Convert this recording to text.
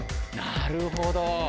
なるほど！